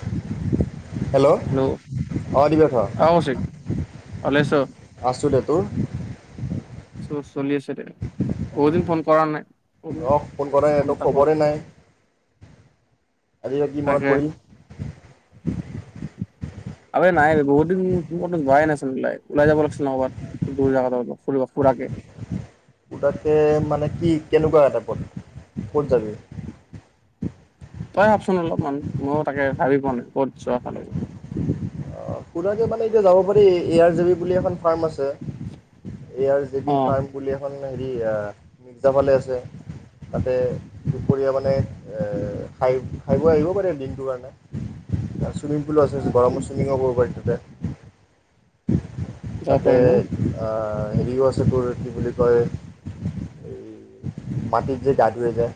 [inaudible] Hello অ দিব্যা ক কৌশিক ভালে আছ আছো দে তোৰ উম ও চলি আছে দে। বহুত দিন ফোন কৰা নাই। অঁ কৰাই নাই ফোন তোৰ এটা কৰো। খবৰে নাই আজি বা কি মনত তাকে পৰিল? [inaudible] আৱে নাই বহুত দিন ক'তো যোৱাই নাছিলো ওলাই যাব লাগিছিল নহয় ক'ৰবাত দূৰ জেগাত ফু ফুৰাকে। তাকেই মানে কি কেনেকুৱা টাইপত ক'ত যাবি? তই ভাবচোন অলপমান ময়ো তাকে ভাবি পোৱা নাই ক'ত যোৱা ভাল হ'ব। ফুৰাকে মানে এতিয়া যাব পাৰি এ আৰ জে বি বুলি এখন ফাৰ্ম আছে। এই আৰ জি বি অ ফাৰ্ম বুলি এখন।। হেৰি মিৰ্জাৰ ফালে আছে। তাতে দুপৰীয়া মানে খাই, খাই বৈ আহিব পাৰে দিনটোৰ কাৰণে। চুইমিং পুলো আছে। গৰমত চুইমিংও কৰিব।। পতে [inaudible] যাব তাতে, পাৰে ন আ। হেৰিও আছে তোৰ কি বুলি কয় মাটিত যে গা ধুৱে যে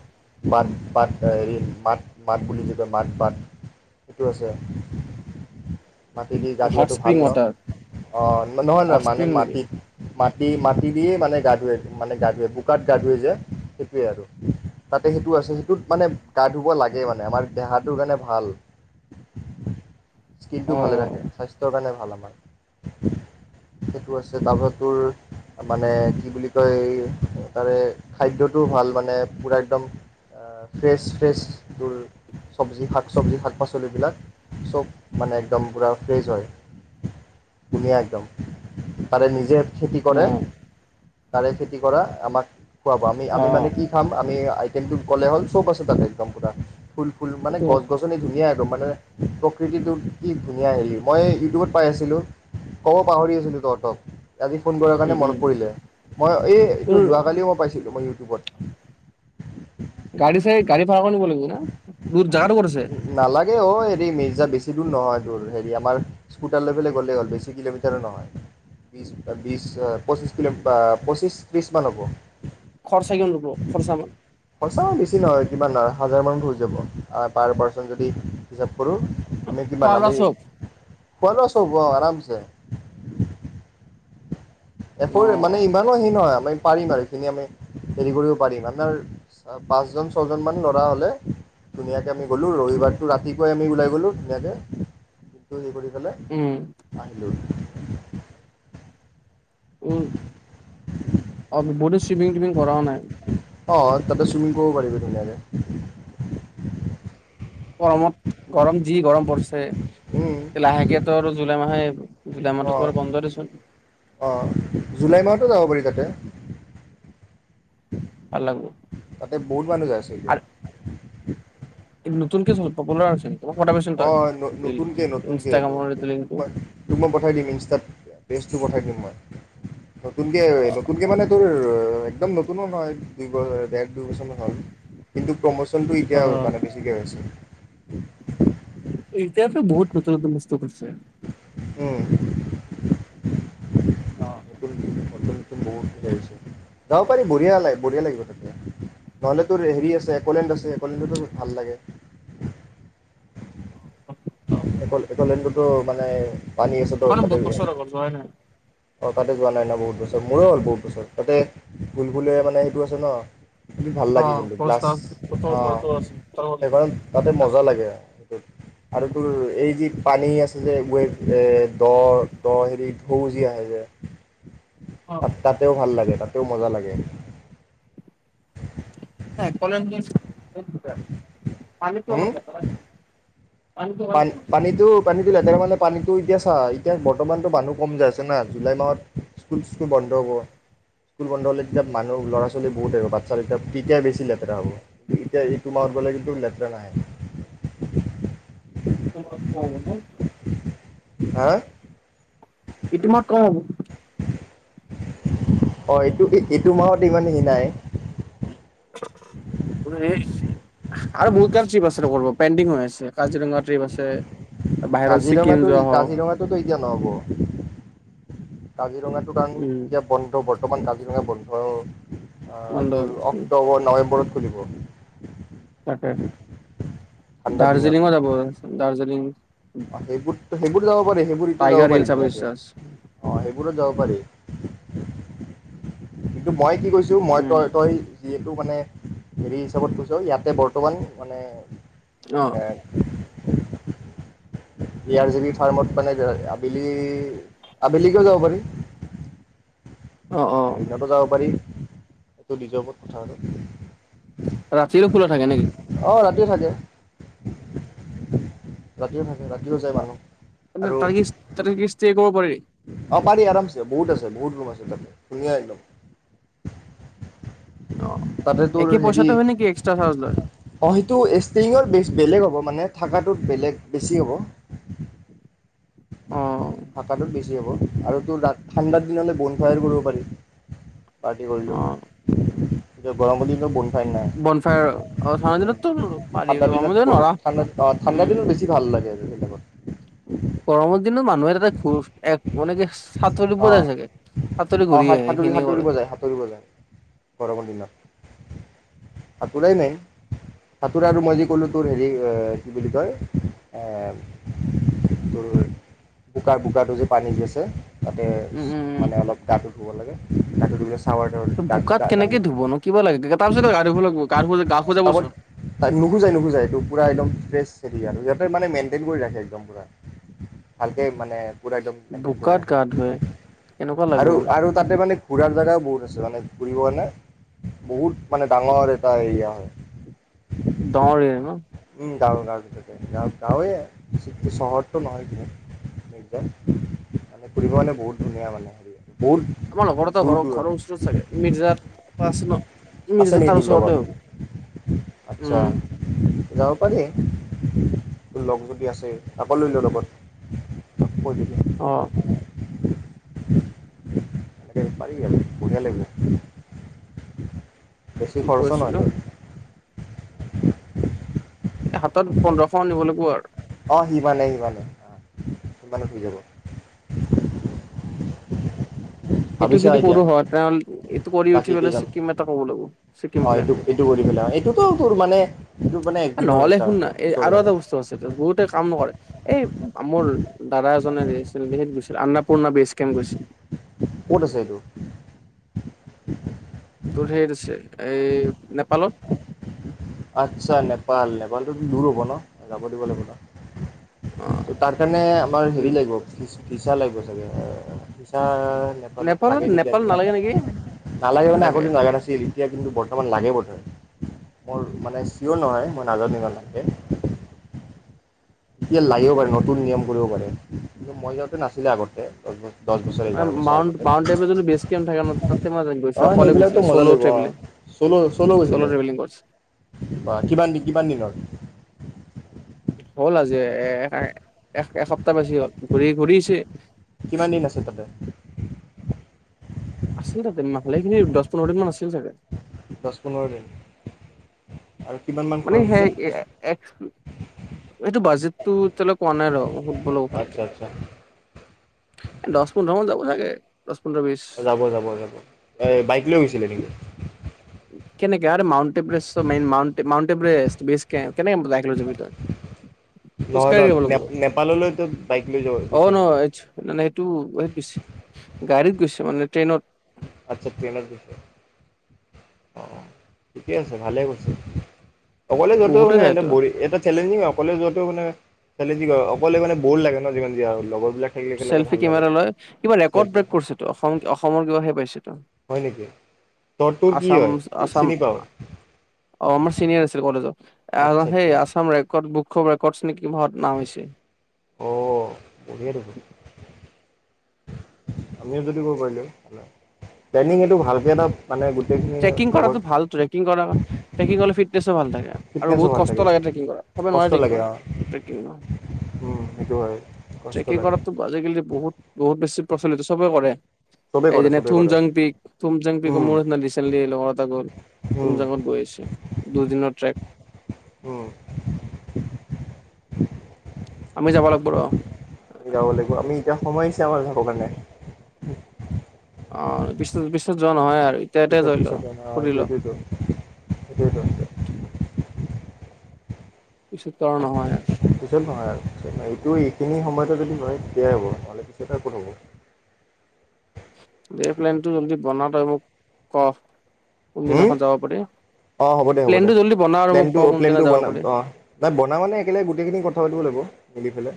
বাট বাট হেৰি বাত বাত বুলি যে কয় বাত বাত সেইটো আছে। মাটি দি গা হট ধোৱাটো ভাল স্প্ৰিং ন, ৱাটাৰ অ' নহয় নহয় হট মানে স্প্ৰিং নেকি মাটিত। মাটি মাটি দিয়ে মানে গা ধোৱে মানে গা ধোৱে মাটি মাটিদিয়ে মানে গা ধোৱে মানে গা ধোৱে বোকাত গা ধোৱে যে সেইটোৱে আৰু তাতে সেইটো আছে। সেইটোত মানে গা ধুব লাগে মানে। আমাৰ দেহাটো কাৰণে ভাল দেহটো অ ভালে ৰাখে স্বাস্থৰ কাৰণে ভাল।। সেই টো আছে। তাৰ পিছত তোৰ মানে কি বুলি ক'য়। তাৰে খাদ্য টোও ভাল মানে পোৰা একদম ফ্ৰেছ ফ্ৰেছ টোৰ চবজি শাক চবজি শাক -পাচলি বিলাক চব মানে। একদম পূৰা ফ্ৰেছ হয়। ধুনীয়া একদম তাৰে নিজে।। খেতি অ কৰে। তাৰে খেতি কৰা আমাক। খোৱাব আমি অ আমি মানে কি খাম আমি।। কিন্তু কলে হ'ল, চব আছে তাতে একদম পুৰা। ফুল ফুল মানে সেইটো গছ গছনি ধুনীয়া।। একদম মানে প্ৰকৃতিটো। কি ধুনীয়া হেৰি মই ইউটিউবত পাই আছিলোঁ। ক'ব পাহৰি আছিলোঁ তহঁতক। আজি ফোন কৰাৰ উম কাৰণে উম মনত পৰিলে। মই এই তোৰ এইটো যোৱাকালি মই পাইছিলোঁ মই। ইউটুবত। গাড়ী চাড়ী গাড়ী ভাড়া কৰি নিব।। লাগিব না দূৰ জাগাটো ক'ত আছে নালাগে অ হেৰি মিৰ্জা বেছি।। বেছি দূৰ নহয় টোৰ হেৰি আমাৰ স্কুটাৰ লৈ পেলাই গ'লেই হ'ল। বেছি কিলোমিটাৰো নহয়। বি বিশ পঁচিছ কিলো পঁচিছ ত্ৰিছ মান হ'ব। খৰচা কিমান ল'ব খৰচা পইচাও বেছি নহয় কিমান ধৰা।। হাজাৰমানত হৈ যাব আ, পাৰ পাৰ্চন যদি হিচাপ কৰোঁ। আমি খোৱা কিমান লোৱা আমি চব খোৱালোৱা চব অ আৰামছে। ছয় [inaudible] অ এপোৰ মানে ইমানো হি নহয় [inaudible] পাৰিম বাৰো সেইখিনি হেৰি কৰিব পাৰিম আপোনাৰ পাঁচজন ছজনান ল'ৰা হলে ধুনীয়াক আমি গ'লো ৰবিবাৰটো ৰাতিপুৱাইি গলে হিলে উম আহিলো। উম, [unintelligible] টিপিং, টিপিং কৰাও নাই অ', তাতে চুইমিং কৰিব পাৰিবি ধুনীয়াকে গৰমত। গৰম যি গৰম পৰিছে উম লাহেকে তোৰ আৰু জুলাই মাহে আহিব জুলাই অ মাহটো চবৰে বন্ধ দেচোন। অ', জুলাই মাহতো যাব পাৰি তাতে ভাল লাগিব তাতে বহুত মানুহ যায় চাগে আৰু [inaudible] নতুনকে [unintelligible] পপুলাৰ হৈছে নেকি? মোক পঠাবিছোন তই অঁ ৰিল, নতুনকৈ নতুনকৈ ইনষ্টাগ্ৰামৰ তোক এইটো তোক লিংকটো। মই তোক মই পঠাই দিম ইনষ্টাত পেজটো পঠাই দিম মই। নতুনকে আৰু নতুনকে, মানে, তোৰ ৰ, একদম নত কোনো নহয়। দুই বৰ, দেৰ, দুই বছৰমান হ'ল। কিন্তু প্ৰমোচন টো অ এতিয়া, মানে, বেছিকৈ হৈছে [inaudible] এতিয়াতো বহুত নতুন নতুন বস্তু কৰিছে উম। অ' বুত যাইচু যাব পাৰি বঢ়িয়া লাগে বঢ়িয়া লাগিব তাতে নহ'লেত হেৰি আছে একলেণ্ড আছে একলেণ্ডতো ভাল লাগে অকলে, [inaudible] তটো মানে পানী আছে ত মানে ততে বহুত বছৰ হৈ গ'ল যোৱাই নাই অ' তাতে যোৱা নাই ন বহুত বছৰ মোৰো হ'ল বহুত বছৰ তাতে ভুল ভুলয়া মানে সেইটো আছে ন! ভাল অ লাগে কিন্তু কলেজ গ্লাছ ক্লাছ তোৰ আহ ঘৰতো আছিল তই গলি সেইকাৰণে তাতে না? মজা লাগে আৰু তোৰ এই যি পানী আছে যে গৈ এ দ দ হেৰি ঢৌ যে আহে যে, অ ত তাতেও ভাল লাগে তাত। ও মজা লাগে হ কলমজিন্স পানিটো হুম অলপ লেটেৰা পান পানীটো পানীটো লেতেৰা মানে পানীটো এতিয়া চা এতিয়া বৰ্তমানটো মানুহ কম যাই আছে না জুলাই মাহত স্কুল চিস্কুল বন্ধ হ'ব স্কুল বন্ধ হ'লে তেতিয়া মানুহ ল'ৰা ছোৱালী বহুত আহিব বাটচ্ছা তেতিয়া তেতিয়া বেছি লাগিব। [unintelligible] এতিয়া এইটো মাহত [unintelligible] উম! হা এইটো মাহত কম হ'ব। [inaudible] অ' এইটো এইটো মাহত ইমান সেই নাই আৰু বহুত কাৰ ট্ৰিপ আছে কৰিব পেণ্ডিং হৈ আছে কাজিৰঙা ট্ৰিপ আছে বাহিৰত ছিকিম কাজিৰঙাটো যোৱা হওক কাজিৰঙাটোতো এতিয়া নহব। কজি ৰঙাটো কাৰণ উম এতিয়া বন্ধ বৰ্ত বৰ্তমান কাজিৰঙা বন্ধ আ বন্ধ তোৰ অক্টোবৰ নৱেম্বৰত, খুলিব তাকে ঠাণ্ডা দিনত দাৰ্জিলিংও যাব দাৰ্জিলিং অ' সেইবোৰ সেইবোৰ যাব সেইবোৰ এতিয়া যাব টাইগাৰ হিল পাৰি চাব ধুনীয়াকে ইচ্ছা আছে অ সেইবোৰ বোৰত যাব পাৰি, কিন্তু মই কি কৈছো মই উম তই তই, যিহেতু মানে হেৰি হিচাপত কৈছো ইয়াতে বৰ্তমান মানে অ [unintelligible] [unintelligible] ফাৰ্মত মানে আবেলি আবেলিকেও যাব পাৰি। অ অ [unintelligible] যাব পাৰি। সেইটো নিজৰ ওপৰত কথা আৰু নহ ৰাতিয়ো খোলা থাকে নেকি? অ' ৰাতিয়ো থাকে ৰাতিয়ো থাকে ৰাতিও যায় মানুহ ত তাতে কি ষ্টে কৰিব পাৰি। অ' পাৰি আৰামছে বহুত আছে বহুত ৰুম আছে তাতে ধুনীয়া একদম অ তাতে তোৰ একে হেৰি পইচাতে হয় নেকি এক্সট্ৰা চাৰ্জ লয় অ সেইটো ষ্টেইঙৰ বে বেলেগ হ'ব মানে। থাকাটো বেলেগ বেছি হ'ব। অ থাকাটোত বেছি হ'ব। আৰু তো ৰা ঠাণ্ডা দিন হলে বন ফায়াৰো কৰিব পাৰি। পাৰ্টি অ কৰিলো এতিয়া গৰমৰ দিনত বন ফায়াৰ নাই বনফায়াৰ অ ঠাণ্ডা দিনততো উম পাৰি ঠাণ্ডা গৰমৰ দিনত নোৱাৰা ঠাণ্ডাত অ ঠাণ্ডা দিনত বেছি ভাল লাগে। [unintelligible] ৰম [unintelligible] মানুহে এটা ঘ এক মানে কি সাঁতৰিব অঁ যাই চাগে সাঁতৰি অ ঘূৰি সা আহে, সাঁতুৰি সেইখিনিয় সাঁতুৰিব কৰে। যায় সাঁতুৰিব যায় গৰমৰ দিনত সাঁতোৰাই মাইন সতোৰা আৰু মই যে ক'লোঁ, তোৰ হেৰি কি বুলি কয় তোৰ বোকাৰ-বোকাৰটো যে পানী [unintelligible] তাতে উম, উম, মানে অলপ গা ধুব লাগে [unintelligible] [unintelligible] মানে উম। বোকাত কেনেকে ধুব ন কিবা লাগে তাৰ পিছতে গা ধুব লাগিব গা ধু গা খোজাবচোন। মেইনটেইন কৰি ৰাখে একদম পুৰা ভালকে মান পুৰা একদম মেন্টেন কৰি বোকাত ৰাখে, গা ধুৱে কেনেকুৱা লাগিব বে আৰু-আৰু তাতে মানে ঘোৰা জেগাও বহুত আছে। [unintelligible] বহুত মানে ডাঙৰ এটা এৰিয়া হয় ডঙৰ এৰিয়া ন [unintelligible] গাওঁ-গাওঁৱে চহৰটো নহয় কিন্তু [unintelligible] মানে ফুৰিব মানে বহুত ধুনীয়া মানে হেৰি বহুত [unintelligible] লগৰতে দূৰ ঘৰৰ-ঘৰৰ দূৰণি ওচৰত চাগে মিৰ্জাৰ [unintelligible] আছে মিৰ্জজাৰ নেকি তাৰ তোৰ লগত ওচৰতে হ'ব, আচ্ছা উম যাব পাৰি লগ যদি আছে, তাকো লৈল লগত [inaudible] অ' পাৰি আৰু বঢ়িয়া লাগিব। বেছি খৰচো কি নহয় কৈছিলো [unintelligible] হাতত পোন্ধৰশ আনিব লাগিব আৰু অ' সিমানেই-সিমানেই অ সিমানে থিক হব। এইটো যদি কৰো হয়, [unintelligible] এইটো কৰি উঠি বাকী পেলে কেইজন ছিকিম এটা কব লাগিব। ম অঁ প্লে এইটো এইটো কৰি পেলাই এইটোতো তোৰ মানে এইটো মানে একদিনৰ নহলে এটা শুন না এই ওচৰ আৰু জেগা এটা বস্তু আছে, বহুতে কাম নকৰে এই মোৰ দাদা এজনে [unintelligible] গৈছিল আন পুৰণা বেচ কেম্প গৈছিল। ক'ত আছেটো? তোৰ [unintelligible] নেপালত আচ্ছা নেপাল নেপ [unintelligible] দূৰ হ'ব ন যাব দিব লাগিব ন অ ত তাৰ কাৰণে আমাৰ হেৰি লাগিবি ফিচা লাগিব। ফিচা নেপালত লাগে নেকি নেপাল আজিকালি নালাগে নেকি নালাগে মানে লাগে আগত নাগা নাছিল। [unintelligible] [unintelligible] লাগে বোধৰে মোৰ মানে চিয়'ৰ নহয় মই নাজানো ইমান ভালকে এতিয়া লাগিব পাৰে, নতুন নিয়ম কৰিব পাৰে। কিন্তু মই যাওঁতে নাছিলে আগতে দহ বছৰ। দহ বছৰ ম এঘাৰ বছৰ মাউণ্টে আগতে মাউটব যদি বেছ কিয় নথাকে ন, তাতে মই গৈছো অকলে গৈছোল ট্ৰেভেলিং। চলো চলো চ'ল' গৈছিলে ট্ৰেভেলিং কৰিছে বা কিমান কিমান দিনৰ। হ'ল আজি এ এ এ এএসপ্তাহ বেছি হ'ল ঘূৰি ঘূৰিছে। কিমান দিন আছে তাতে। আছিল তাতে মা' ভালেখিনি দহ পোন্ধৰ দিন মান আছিল তাতে। দ'হ -পোন্ধৰ দিন। আৰু কিমান মান মানে খৰচ হে হৈছে এক্স। এইটো বাজেটটো এতিয়ালৈ কোৱা নাই আৰু। আচ্ছা আচ্ছা। দ'হ -পোন্ধৰ মান যাব চাগে। দহ পোন্ধৰ বিশ। অ' যাব যাব যাব। এ বাইক লৈ গৈছিলে নেকি? কেনেকে আৰু Mount Everest main. Mount Everest base কেনেকে বাইক লৈ যাবি তই। খোজ নহয় কঢ়ি নহয় যাব নে লাগিব নেপাললৈতো বাইক লৈ যাব অ গৈছে ন নেকি এইটো গাড়ীত গৈছে। মানে ট্ৰেইনত। আচ্ছা তেলাৰ বিষয়। অ' ঠিকে আছে ভালে কৈছে। অকলে যোৱাতেও বহুতে মানে এ এটা যায়তো বৰিং। এটা চেলেঞ্জিং। অকলে যোৱাতো মানে। খালে কি কয় অকলে মানে বৰ লাগে ন যিমান যি আৰু লগৰ বিলিলাক। চেল্ফি কেমেৰা লয় কিবা ৰেকৰ্ড ব্ৰেক কৰিছেটো। অসম অসমৰ কিবাহে পাইছে। হয় নেকি তোৰ তোৰ কি আছাম হয় আছাম চিনি পাওঁ। অ' আমাৰ ছিনিয়ৰ আছিল আচ্ছা কলেজত। আচ্ছা সেই আছাম ৰেকৰ্ড বুক। খুব ৰেকৰ্ড। নেকি মত নাম হৈছে। অঁ বঢ়িয়া দেখোন আমিও যদি কৰিব পাৰিলো, প্লেনিং এইটো ভালকে এটা। মানে গোটেইখিনি ট্ৰেকিং লগৰ কৰাটো ভাল। ট্ৰেকিং কৰা ট্ৰেকিং কৰিলে ফিট। [inaudible] ভালা থাকে। আৰু ফিটনেছো বহুত ভাল কষ্ট থাকে লাগে কৰা ট্ৰেকিং কৰাত। চবেই নোৱাৰে কষ্ট ট্ৰেকিং লাগে টৰিব। অঁ ট্ৰেকং, উম, সেইটো হয় কষ্ট ট্ৰেকিং লাগে। কৰাত আজিকালি বহুত। বহুত বেছি প্ৰচলিত, সবেই কৰে। চবেই এই কৰে যেনে চবেই থুম কৰে। জং পিক থু জং পিক। উম, মোৰ না ৰিচেনলি লগৰ এটা গ'ল উম, তুমজাংত গৈ আহিছে দুদিনৰ ট্ৰেক। উম। আমি যাব লাগিব ৰ। আমি যাব লাগিব। আমি এতিয়া সোমাইছে আমাৰ যাবৰ কাৰণে। অ', পিষ্ট-পিছত যোৱা নহয় আৰু ই পিছত-পিছত এনাও ইতু, ইতু, ইতু। ইতু, ইতু। পিছতাও নহয় আৰ পিছত নহয় আৰু। এ না এইটো এইখিনি সময়তে যদি হয়। তেতিয়াহে হ'ব, নহ'লে পিছত আৰু কত হ'ব। এই প্লেনটো জল্দি বনাও। তই মোক ক হুম, কোনদিনাখন যাব পাৰি অ', হ'ব দে-হ'ব দে। প্লেনটো জল্দি বনা আৰু মোক ক কোনদিনা প্লেনটো-প্লেনটো যাব বনা, পাৰি অ', না বনা মানে একেলগ গোটেইখিনি কথা পাতিব লাগিব। মিলি পেলাই।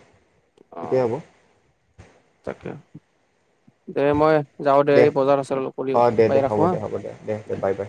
অ তেতিয়াহে হ'ব। তাকে। দে মই যাও দে, এই বজাৰ আছে অলপ কৰি আহো। অঁ দে বাই, দে ৰাখো হ'ব হা। দে হ'ব দে। Bye bye.